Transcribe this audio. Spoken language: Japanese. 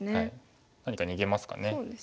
何か逃げますかね。